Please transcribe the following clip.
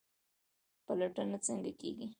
پلټنه څنګه کیږي؟